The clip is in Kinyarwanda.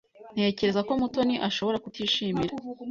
Ntekereza ko Mutoni ashobora kutishimira.